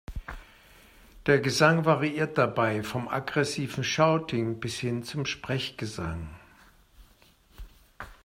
Der Gesang variierte dabei vom aggressiven Shouting bis hin zum Sprechgesang.